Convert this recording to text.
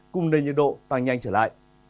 cùng nền nhiệt độ tăng nhanh trở lại